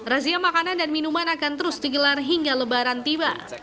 razia makanan dan minuman akan terus digelar hingga lebaran tiba